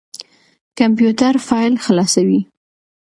کمپيوټر فايل خلاصوي.